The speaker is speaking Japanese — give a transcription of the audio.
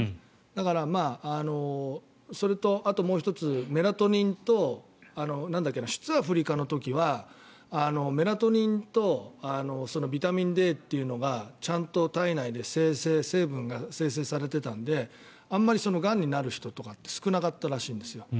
だから、それとあともう１つメラトニンとビタミンＤというのがちゃんと体内で生成成分が生成されていたのであまりがんになる人って少なかったらしいんですよ。